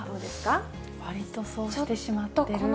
わりとそうしてしまってる。